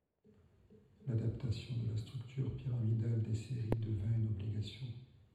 L'adaptation de la structure pyramidale des séries devint une obligation.